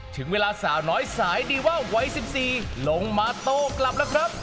ถึงเวลาสาวน้อยสายดีว่าวัย๑๔ลงมาโต้กลับแล้วครับ